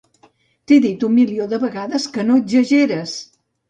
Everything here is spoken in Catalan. T'he dit un milió de vegades que no exageres!